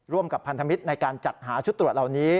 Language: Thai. กับพันธมิตรในการจัดหาชุดตรวจเหล่านี้